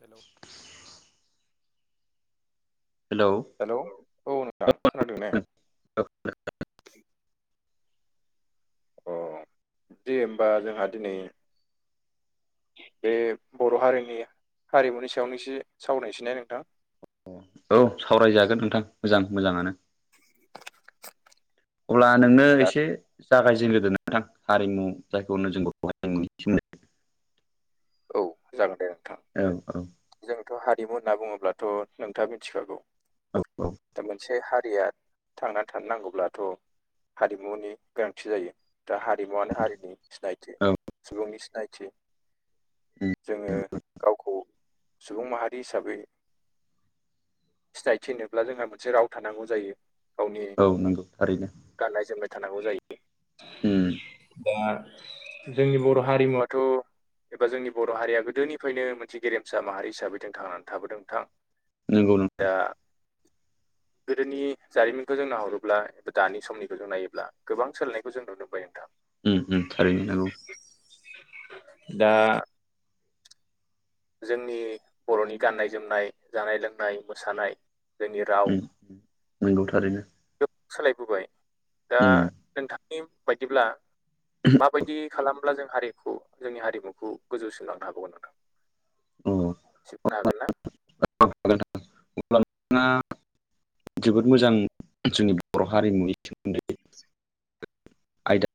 हेल' hello hello औ नोंथां खोनादों ना? अ दे होमबा जोंहा दिनै बे बर' हारिनि हारिमुनि सायावनो एसे सावरायसैनाय नोंथां। औ सावरायजागोन नोंथां मोजां मोजाङानो। [unintelligible] अब्ला नोंनो दा एसे जागायजेन ग्रोदोन नथां हारिमु जायखौ नो [unintelligible] औ जागोन दे नोंथां। औ औ। जोंथ' हारिमु होनना बुङोब्लाथ' नोंथाङा मिथिखागौ। औ औ। दा मोनसे हारिया थांना थानो नांगौब्लाथ' हारिमुनि गोनांथि जायो। दा हारिमुवानो हारिनि सिनायथि औ सुबुंनि सिनायथि। उम जोङो गावखौ सुबुं माहारि हिसाबै सिनायथिनोब्ला जोंहा मोनसे राव थानांगौ जायो। गावनि औ नंगौ थारैनो। गाननाय जोमनाय थानांगौ जायो उम दा जोंनि बर' हारिमुवाथ' एबा जोंनि बर' हारिया गोदोनिफ्रायनो मोनसे गेरेमसा माहारि हिसाबै जों थांनानै थाबोदोंनोंथां नोंगौ दा गोदोनि जारिमिनखौ जों नाहरोब्ला एबा दानि समनिखौ जों नायोब्ला गोबां सोलायनायखौ जों नुनो मोनबाय नोंथां उम उम थारैनो नांगौ दा जोंनि बर'नि गाननाय जोमनाय जानाय लोंनाय मोसानाय जोंनि राव उम नंगौ थारैनो गोब सोलायबोबाय दा उम नोंथांनि बायदिब्ला माबायदि खालाम अब्ला जों हारिखौ जोंनि हारिमुखौ गोजौसिनोलांनो हाबावगोन ना उम सिखनो हागोन ना [unintelligible] जोबोद मोजां जोंनि बर' हारिमुनि सोमोन्दै आयदा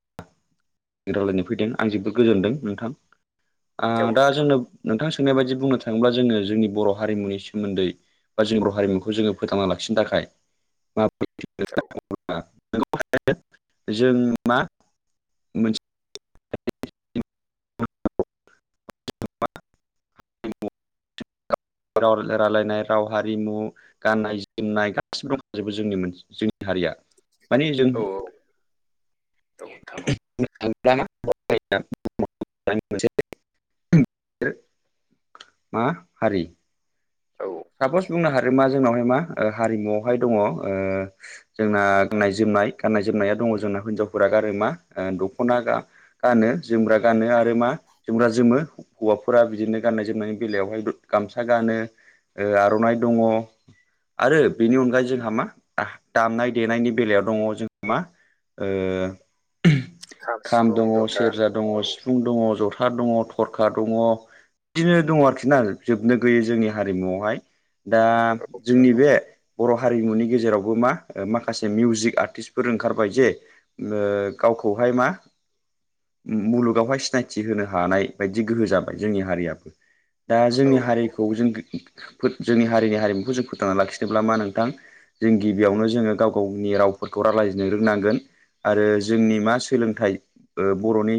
रावलायनो फैदों आं जोबोद गोजोनदों नोंथां औ दा नोंथां औ जोंनो नोंथां सोंनाय बायदि बुंनो थाङोब्ला जोङो जोंनि बर' हारिमुनि सोमोन्दै बा जोंनि बर' हारिमुखौ जोङो फोथांना ला नि थाखाय [unintelligible] जों मा मोनसे [unintelligible] [inaudible] राव राय्लायनाय राव हारिमु गाननाय जोमनाय गासिबो दंखजोबो जोंनि जोंनि हारिया माने जों औ औ नोंथां औ [unintelligible] मा हारि औ सापस बुंनो हादों मा जोंनावहाय मा हारिमुआवहाय दङ ओ जोंना गाननाय जोमनाय गाननाय जोमनाया दङ जोंना हिनजावफोरा गानो मा दख'ना गानो जोमग्रा गानो आरो मा जोमब्रा जोमो हौवाफोरा बिदिनो गाननाय जोमनायनि बेलायावहाय गामसा गानो ओ आर'नाइ दङ। आरो बेनि अनगायै जोंहा मा आ दामनाय देनायनि बेलायाव दङ जोंहा मा ओ खाम सिफुं दङ, जथा सेरजा दङ, औ सिफुं दङ, ज'था दङ, थरखा दङ दिनो दङ आरोखि ना जोबनो गैयै जोंनि हारिमुआव। [unintelligible] दा औ नोंथां जोंनि औ बे बर' हारिमुनि गेजेरावबो मा ओ माखासे मिउजिक आरथिसफोर ओंखारबाय जे। लो गावखौहाय मा उम मुलुगावहाय सिनायथि होनो हानाय बायदि गोहो जाबाय जोंनि हारियाबो। दा औ जोंनि हारिखौ जों फो जोंनि हारिनि हारिमुखौ जों फोथांना लाखिनोब्ला मा नोंथां जों गिबियावनो जोङो गाव गावनि रावफोरखौ रालायजनो रोंनांगोन। आरो जोंनि मा सोलोंथाइ ओ बर'नि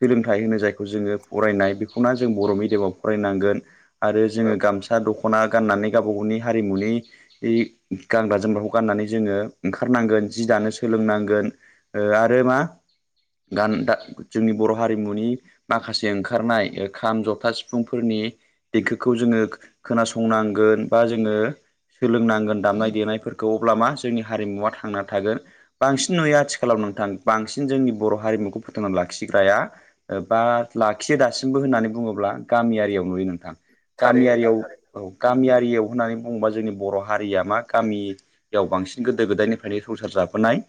सोलोंथाइ होनो जायखौ जोङो फरायनाय बेखौना जों बर' मिडियामाव फरायनांगोन। आरो औ जोङो औ गामस ख'ना गाननानै गावबा गावनि हारिमुनि इ गानग्रा जोमग्राखौ गाननानै जोङो ओंखारनांगोन जि दानो सोलोंनांगोन। ओ आरो मा गान दा जोंनि बर' हारिमुनि माखासे ओंखारनाय ओ खाम, ज'था, सिफुंफोरनि देंखोखौ जोङो खोनासंनांगोन बा जोङो सोलोंनांगोन दामनाय देनायफोरखौ अब्ला मा जोंनि हारिमुवा थांना थागोन। बांसिन नुयो आथिखालाव नोंथां। बांसिन जोंनि बर' हारिमुखौ फोथांना लाखिग्राया ओ बा लाखियो दासिमबो होननानै बुङोब्ला गामियारियाव नुयो नोंथां। थारैनो नोंथां गामियारियाव औ थारैनो गामियारियाव होननानै बुङोबा जोंनि बर' हारिया मा गामि बेयाव बांसिन गोदो गोदायनिफ्रायनो संसार जाबोनाय‌।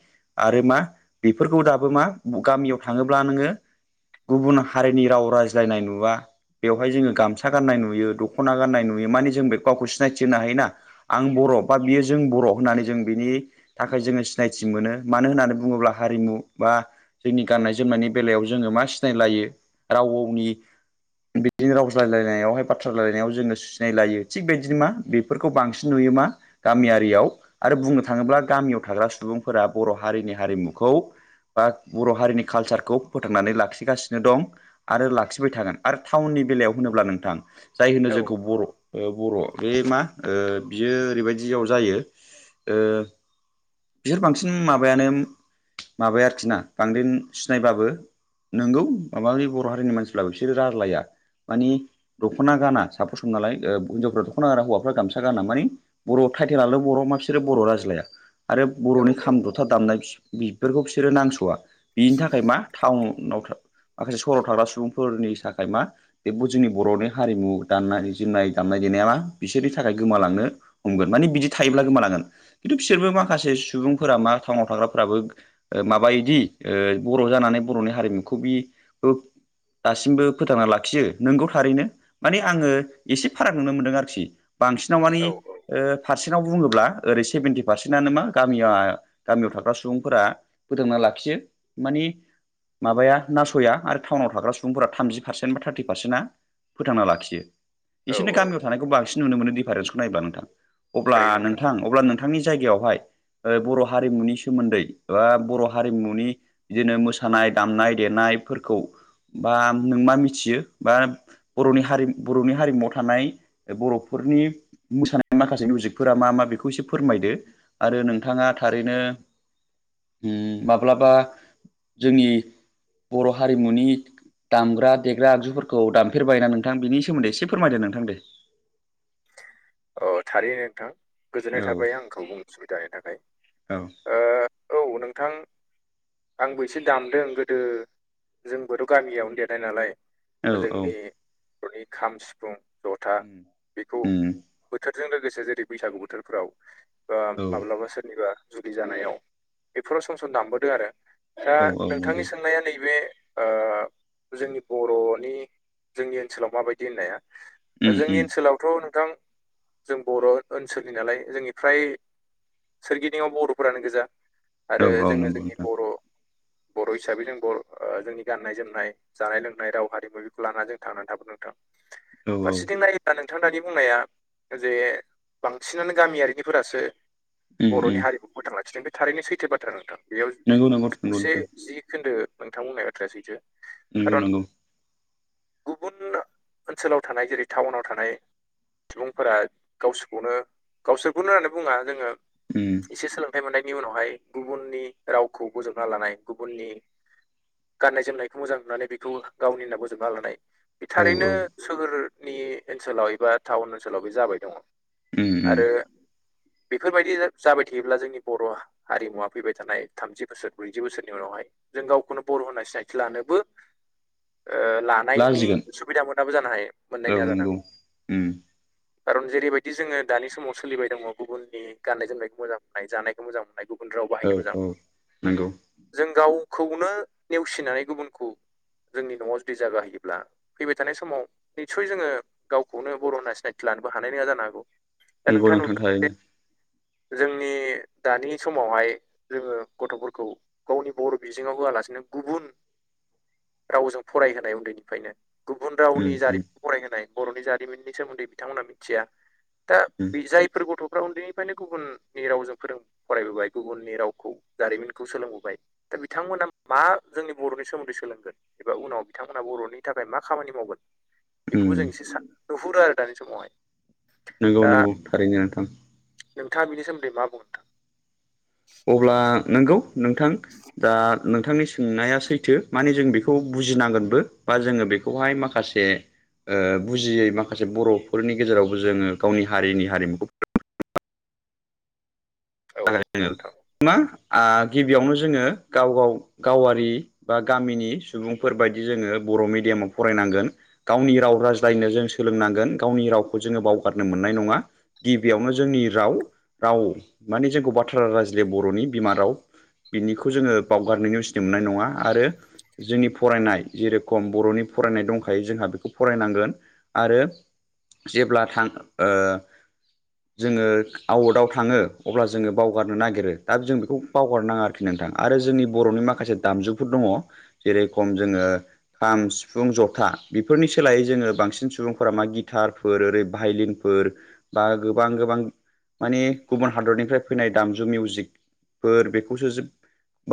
आरो मा बेफोरखौ दाबो मा गामियाव थाङोब्ला नोङो गुबुन हारिनि राव रायज्लायनाय नुवा। बेवहाय जोङो गामसा गान्नाय नुयो। दख'ना गान्नाय नुयो, माने जों बे गावखौ सिनायथि होनो हायो ना। आं बर' बा बियो जों बर' होननानै जों बिनि थाखाय जोङो सिनायथि मोनो मानो होननानै बुङोब्ला हारिमु बा जोंनि गाननाय जोमनायनि बेलायाव जोङो मा सिनायलायो राव गावनि बिदिनो रावज्लायलायनायावहाय बाथ्रा रायनायाव जोङो। नायलायो थिग बिदिनो मा बेफोरखौ बांसिन नुयो मा गामियारियाव आरो बुंनो थाङोब्ला गामियाव थाग्रा सुबुंफोरा बर' हारिनि हारिमुखौ बा बर' हारिनि कालसारखौ फोथांनानै लाखिगासिनो दं। आरो लाखिबाय थागोन। आरो टाउननि बेलायाव होनोब्ला नोंथां जाय होनो औ जोंखौ बर' ओ बर' बे मा ओ बियो ओरैबायदियाव जायो। ओ बिसोर बांसिन माबायानो माबाया आरोखि ना बांद्राय सिनायाबाबो नोंगौ माबा है बर' हारिनि मानसिफ्राबो बिसोरो रालाया। मानि दख'ना गाना साफ सम नालाय। ओ हिनजावफ्रा दख'ना गाना हौवाफोरा गामसा गाना माने बर' टाइटेलाल' बर' मा बिसोरो बर' राजलाया। आरो औ बर'नि खाम, ज'था दामनाय फि बिफोरखौ बिसोरो नांस'आ बिनि थाखाय मा टाउनाव था माखासे सहराव थाग्रा सुबुंफोरनि थाखाय मा बे जोंनि बर'नि हारिमु दान्नाय जोमनाय दामनाय देनाया मा बिसोरनि थाखाय गोमालांनो हमगोन माने बिदि थायोब्ला गोमालांगोन। खिन्थु बिसोरबो माखासे सुबुंफोरा मा टाउनाव थाग्राफोराबो ओ माबा इदि ओ बर' जानानै बर'नि हारिमुखौ बि ओ दासिमबो फोथांना लाखियो। नोंगौ थारैनो माने आङो एसे फाराग नुनो मोन्दों आरोखि। बांसिनाव माने औ ओ फारस सेनाव बुङोब्ला ओरै सेभेन्टि पारसेन्टानो मा गामि गामियाव थाग्रा सुबुंफोरा फोथांना लाखियो। मानि माबाया नास'या आरो टाउनाव थाग्रा सुबुंफोरा थामजि पारसेन्ट बा थार्टि पारसेन्टआ फोथांना लाखियो। औ इसोरनो औ गामियाव थानायखौ बांसिन नुनो मोनो दिडिफारेन्सखौ नायोब्ला नोंथां अब्ला नोंथां - अब्ला नोंथांनि जायगायावहाय बर' हारिमुनि सोमोन्दै बर' हारिमुनि बिदिनो मोसानाय दामनाय देनायफोरखौ बा नों मा मिथियो बा बर'नि हारि बर'नि हारिमुआव थानाय बर'फोरनि मोसानाय माखासे मिउजिकफोरा मा मा बेखौ एसे फोरमायदो आरो नोंथाङा थारैनो माब्लाबा जोंनि बर' हारिमुनि दामग्रा देग्रा आगजुफोरखौ दामफेरबाय ना नोंथां बिनि सोमोन्दै एसे फोरमायदो नोंथां दे- थारैनो नोंथां गोजोननाय औ थाबाय आंखौ बुं सुबिदानि थाखाय औ ओ औ नोंथां। आंबो एसे दामदों गोदो जोंबोथ' गामियावनो देरनाय नालाय। औ द जोंनि बर'नि खाम सिफुं जथा। [inaudible] बेखौ उम बोथोरजों लोगोसे जेरै बैसागु बोथोरफोराव बा औ माब्लाबा सोरनिबा जुलि जानायाव बेफोराव सम सम दामबोदों आरो दा औ औ नोंथांनि नंगौ सोंनाया नैबे ओ जों बर'नि जोंनि ओनसोलाव माबायदि होननाया उम जोंनि उम ओनसोलावथ' नोंथां जों बर' ओनसोलनि नालाय जोंनि फ्राय सोरगिदिंव बर'फोरानो गोजा आरो औ औ जोङो नंगौ जोंनि नोंथां बर' बर' हिसाबै जों बर' जोंनि गाननाय जोमनाय जानाय लोंनाय राव हारिमु बेखौ लानानै जों थांनानै थाबोन नोंथां औ औ फारसेथिं नाय नां दानि बुंनाया जे बांसिनानो गामियारिनिफोरासो उम बर'नि उम हारिखौ फोथां लाखिदों बे थारैनो सैथो बाथ्रा नोंथां बेयाव नंगौ नंगौ नंगौ जौसे नोंथां जि खोन्दो नोंथां बुंनाय बाथ्राया सैथो नंगौ खारन नंगौ गुबुन ओनसोलाव थानाय जेरै टाउनाव थानाय सुबुंफोरा गावसोरखौनो गावसोरखौनो होननानै बुङा जोङो उ एसे सोलोंथाइ मोननायनि उनावहाय गुबुननि रावखौ बजोबना लानाय गुबुननि गाननाय जोमनायखौ मोजां नुनानै बेखौ गावनि होनना बोजबना लानाय। बे औ थारैनो औ सोहोरनि ओनसोलाव एबा टाउन ओनसोलाव बे जाबाय दङ। उम उम आरो बेफोरबायदि जाबाय थायोब्ला जोंनि बर' हारिमुवा फैबाय थानाय थामजि बोसोर ब्रैजि बोसोरनि उनावहाय जों गावखौनो बर' होननानै सिनायथि लानोबो लानो हानायनि लाजिगोन सुबिदा मोनाबो जानो हायो मोन नङ जानो हागौ उओम खारन जेरैबायदि जोङो दानि समाव सोलिबाय दङ गुबुननि गान्नाय जोमनायखौ मोजां मोननाय जानायखौ मोजां मोननाय गुबुन गाव औ बाहायनो मोजां औ नंगौ मोनो जों गावखौनो नेवसिनानै गुबुनखौ जोंनि न'आव जुदि जागााहयोब्ला फैबाय थानाय समाव निसय जोङो खौनो बर' होनना सिनायथि लानोबो हानाय नङा जानो हागौ दा नोंगौ नोंथाङा नोंथां नुदों थारैनो जोंनि दानि समावहाय जोङो गथ'फोरखौ गावनि बर' बिजोङाव होआलासिनो गुबुन रावजों फरायहोनाय उन्दैनिफ्रायनो गुबुन उम रावनि उम जारिमिनखौ फरायहोनाय बर'नि जारिमिननि सोमोन्दै बिथांमोनहा मिथिया। दा उम बे जायफोर गथ'फ्रा उन्दैनिफ्रायनो गुबुननि रावजों फोरों फरायबोबाय गुबुननि रावखौ जारिमिनखौ सोलोंबोबाय। दा बिथांमोना मा जोंनि बर'नि सोमोन्दै सोलोंगोन। एबा उनाव बिथांमोनहा बर'नि थाखाय मा खामानि मावगोन? बेखौबो उम जों एसे सानो नुहुरो आरो दानि समावहाय। नोंगौ दा नंगौ थारैनो नोंथां। नोंथाङा बिनि सोन्दै मा बुंङो नोंथां? अब्ला नंगौ नोंथां। बि [unintelligible] दा नोंथांनि सोंनाया सैथो माने जों बेखौ बुजिनांगोनबो बा जोङो बेखौहाय माखासे ओ बुजियै माखासे बर'फोरनि गेजेरावबो जोङो गावनि हारिनि हारिमुखौ नोंथां औ नोंथां मा ओ गिबियावनो जोङो गाव गाव गावारि बा गामिनि सुबुंफोर बायदि जोङो बर' मिेडियामाव फरायनांगोन गावनि राव राजायज्लायनो जों सोलोंनांगोन गावनि रावखौ जोङो बावगारनो मोननाय नङा। गिबियावनो जोंनि राव राव माने जोंखौ बाथ्रा रायज्लाया बर'नि बिमा राव बिनिखौ जोङो बावगारनायनि नेवसिनो मोननाय नङा आरो जोंनि फरायनाय जेरेखम बर'नि फरायनाय दंखायो जोंहा बेखौ फरायनांगोन। आरो जेब्ला थां ओ जोङो आउटआव थाङो। अब्ला जोङो बावगारनो नागिरो दा जों बेखौ बावगारनााङा आरोखि नोंथां आरो जोंनि बर'नि माखासे दामजुफोर दङ। जेरखम जोङो खाम सिफुं जथा बेफोरनि सोलायै जोङो बांसिन सुबुंफोरा मा गिटार [unintelligible] बा गोबां गोबां म गुब हादरनिफ्राय फैनाय दामजु मिउजिकफोर बेखौसो जों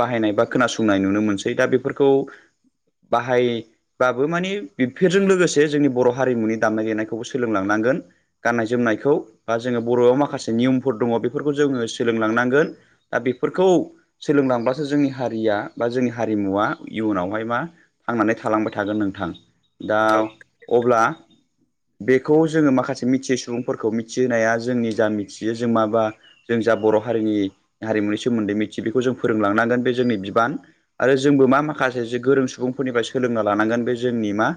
बाहायनाय बा खोनासंनाय नुनो मोनसै दा बेफोरखौ बाहायबाबो मानि बेफोरजों लोगोसे जोंनि बर' हारिमुनि दामनाय देनायखौ सोलोंलांनांगोन गाननाय जोमनाय खौ जोंना बर'ना माखासे नियमफोर दङ बे बेफोरखौ जोङो सोलोंलांनांगोन। दा बेफोरखौ सोलोंलांब्लासो जोंनि हारिया बा जोंनि हारिमुवा इयुनावहाय मा थांनानै थालांबाय थागोन नोंथां दा औ अब्ला बेखौ जोङो माखासे मिथियै सुबुंफोरखौ मिथिहोनाया जोंनि जा मिथियो जों माबा जों जा बर' हारिनि हारिमुनि सोमोन्दै मिथियो बेखौ जों फोरोंलांनांगोन बे जोंनि बिबान। आरो जोंबो मा माखासे गोरों सुबुंफोरनिफ्राय सोलोंना लानांगोन बे जोंनि मा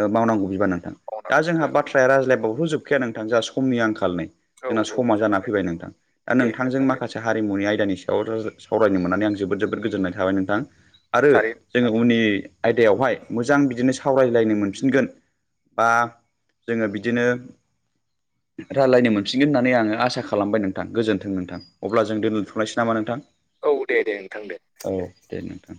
ओ मावनांगौ बिबा नोंथां दा मावनांगौ जोंहा बिबान बाथ्राया रायज्लायबावथ' जोबखाया नोंथां जोंहा समनि आंखाल नै औ जोंना औ समा जागोन जाना दे फैबाय नोंथां। दा दे नोंथांजों नोंथां दे माखासे हारिमुनि आयदानि सायाव सावरायनो मोननानै आं जोबोद जोबोद गोजोननाय थाबाय नोंथां। आरो थारैनो नोंथां। जोङो उननि आयदायावहाय मोजां बिदिनो सावरायलायनो मोनफिनगोन बा जोङो बिदिनो रायलायनो मोनफिगोन होननानै आङो आसा खालामबाय नोंथां गोजोन्थों नोंथां अब्ला जों दोनथ' लानोसै नामा नोंथां। औ दे दे नोंथां दे औ दे। नोंथां